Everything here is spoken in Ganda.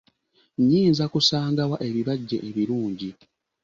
Nyinza kusangawa ebibajje ebirungi?